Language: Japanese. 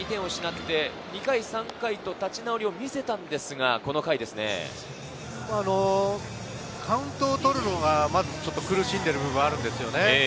遠藤は初回に２点を失って２回３回と立ち直りを見せたんですが、カウントを取るのがちょっと苦しんでいる部分があるんですよね。